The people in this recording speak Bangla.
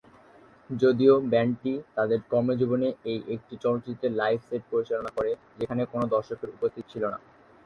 যদিও ব্যান্ডটি তাদের কর্মজীবনে এই একটি চলচ্চিত্রে লাইভ সেট পরিচালনা করে যেখানে কোন দর্শকের উপস্থিত ছিল না।